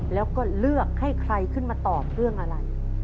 แล้วก็เลือกให้ใครขึ้นมาตอบเรื่องอะไร